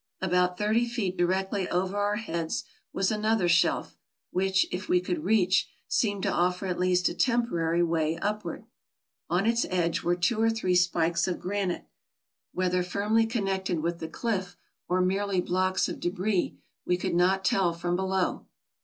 About thirty feet directly over our heads was another shelf, which, if we could reach, seemed to offer at least a temporary way upward. On its edge were two or three spikes of granite, whether firmly connected with the cliff, or merely blocks of debris, we could not tell from below.